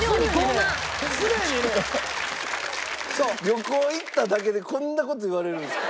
旅行行っただけでこんな事言われるんですか？